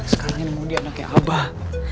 sekarang ini mundi anaknya abah